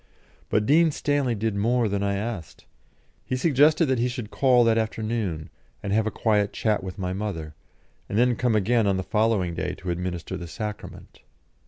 But Dean Stanley did more than I asked. He suggested that he should call that afternoon, and have a quiet chat with my mother, and then come again on the following day to administer the Sacrament.